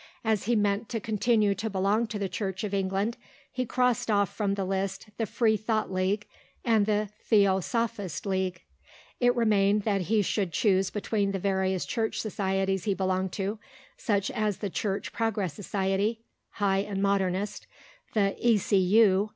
As he meant to continue to belong to the Church of England, he crossed off from the list the Free Thought League and the Theosophist Society. It remained that he should choose between the various Church societies he belonged to, such as the Church Progress Society (High and Modernist), the E. C. U.